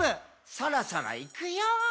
「そろそろいくよー」